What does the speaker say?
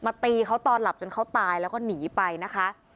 ตีเขาตอนหลับจนเขาตายแล้วก็หนีไปนะคะ